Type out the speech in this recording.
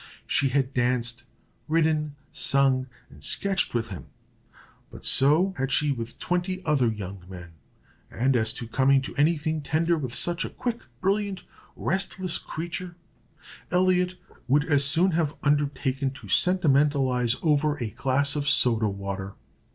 She had danced, ridden, sung, and sketched with him; but so had she with twenty other young men; and as to coming to any thing tender with such a quick, brilliant, restless creature, Elliot would as soon have undertaken to sentimentalize over a glass of soda water.